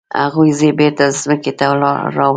هغوی زه بیرته ځمکې ته راوړم.